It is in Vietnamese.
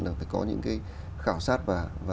là phải có những cái khảo sát và